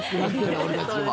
俺たちは。